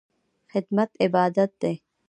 خدمت عبادت دی